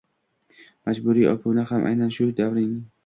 Majburiy obuna ham aynan o‘sha davrning –